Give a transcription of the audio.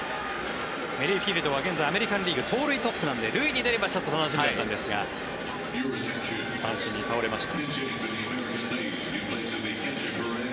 メリフィールドは現在、アメリカン・リーグ盗塁トップなので塁に出れば楽しみだったんですが三振に倒れました。